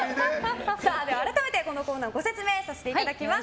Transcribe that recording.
改めてこのコーナーをご説明させていただきます。